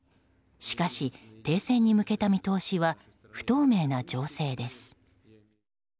しかし停戦に向けた見通しは不透明な情勢です。